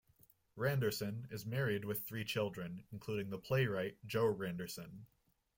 Randerson is married with three children, including the playwright Jo Randerson.